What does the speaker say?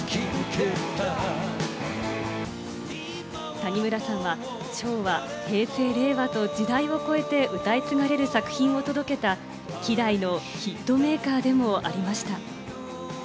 谷村さんは昭和、平成、令和と時代を超えて歌い継がれる作品を届けた希代のヒットメーカーでもありました。